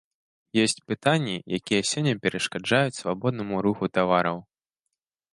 Ёсць пытанні, якія сёння перашкаджаюць свабоднаму руху тавараў.